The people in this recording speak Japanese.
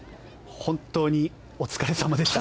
本当にお疲れ様でした。